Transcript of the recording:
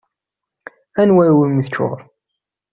Anwa iwimi teččur?